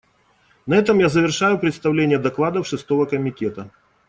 На этом я завершаю представление докладов Шестого комитета.